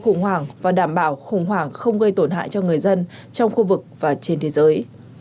khủng hoảng và đảm bảo khủng hoảng không gây tổn hại cho người dân trong khu vực và trên thế giới